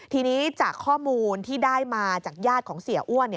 ทีนี้จากข้อมูลที่ได้มาจากญาติของเสียอ้วน